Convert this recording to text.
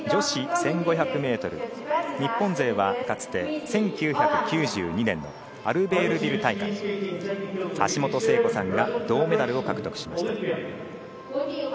女子１５００ｍ、日本勢はかつて１９９２年のアルベールビル大会、橋本聖子さんが銅メダルを獲得しました。